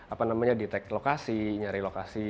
apa namanya detect lokasi nyari lokasi